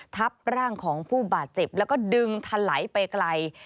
ทับร่างของผู้บาดเจ็บแล้วก็ดึงทะไหลไปไกล